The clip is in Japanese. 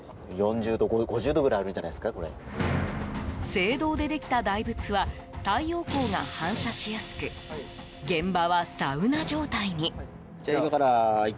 青銅でできた大仏は太陽光が反射しやすく現場はサウナ状態に。